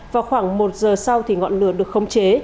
vào khoảng một h sau ngọn lửa được khống chế